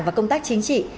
và công tác chính trị